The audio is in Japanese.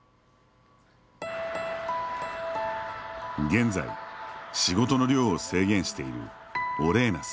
現在仕事の量を制限しているオレーナさん。